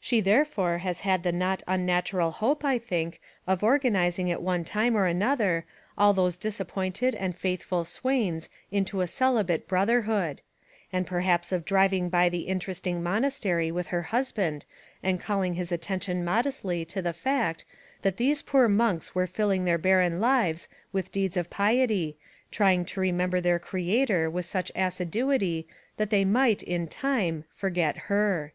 She therefore has had the not unnatural hope, I think, of organizing at one time or another all those disappointed and faithful swains into a celibate brotherhood; and perhaps of driving by the interesting monastery with her husband and calling his attention modestly to the fact that these poor monks were filling their barren lives with deeds of piety, trying to remember their Creator with such assiduity that they might, in time, forget Her."